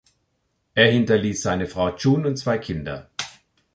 Er hinterließ seine Frau June und zwei Kinder.